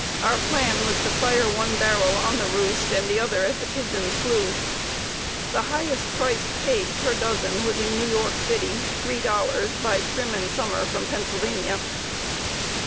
Our plan was to fire one barrel on the roost and the other as the pigeons flew. The highest price paid per dozen was in New York City $3 by Trimm & Summer from Pennsylvania.